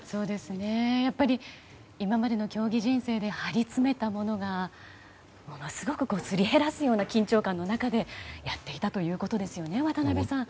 今までの競技人生で張り詰めたものがものすごくすり減らすような緊張感の中でやっていたということですよね渡辺さん。